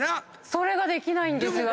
それができないんです私。